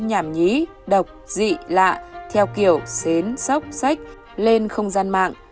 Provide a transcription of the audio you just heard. nhảm nhí đọc dị lạ theo kiểu sến sóc sách lên không gian mạng